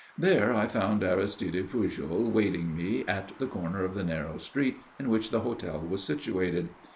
There I found Aristide Pujol awaiting me at the corner of the narrow street in which the hotel was situated.